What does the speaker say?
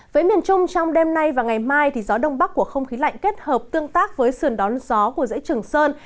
với miền trung trong đêm nay và ngày mai gió đông bắc của không khí lạnh kết hợp tương tác với sườn đón gió của dãy trường sơn